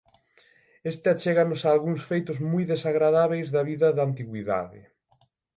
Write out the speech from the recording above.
Este achéganos a algúns feitos moi desagradábeis da vida da Antigüidade.